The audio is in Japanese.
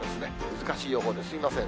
難しい予報ですみません。